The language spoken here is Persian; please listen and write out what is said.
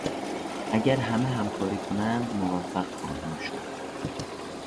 اگر همه همکاری کنند موفق خواهیم شد.